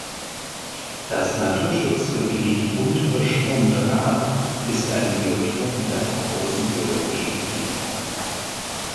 Das Naturschutzgebiet "Untere Schondra" ist ein Biotop mit einer großen biologischen Vielfalt.